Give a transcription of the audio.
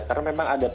karena memang ada pnbp